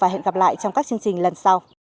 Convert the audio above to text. hẹn gặp lại các bạn